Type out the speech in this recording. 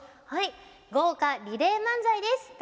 はい豪華リレー漫才です。